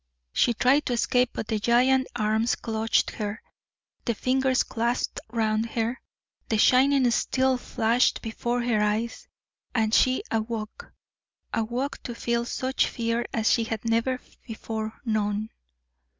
She tried to escape, but the giant arms clutched her, the fingers clasped round her, the shining steel flashed before her eyes, and she awoke awoke to feel such fear as she had never before known.